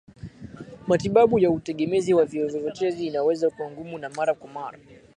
Matibabu ya utegemezi wavichochezi inaweza kuwa ngumu na mara kwa mara